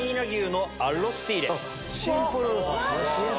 シンプル！